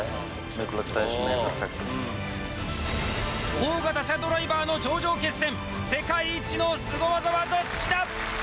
大型車ドライバーの頂上決戦世界一のスゴ技はどっちだ？